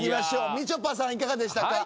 みちょぱさんいかがでしたか？